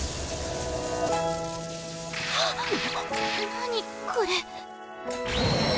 何これ。